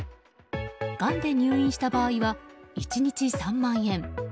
がんで入院した場合は１日３万円。